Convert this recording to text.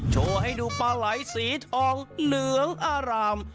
โชว์ให้ดูปลาไหลสีทองเหลืองอาราม